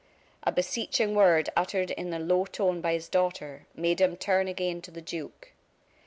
A beseeching word uttered in a low tone by his daughter, made him turn again to the duke.